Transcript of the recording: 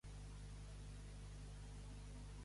Vaig sentir que ballaven, i ballava un gos enmig la plaça.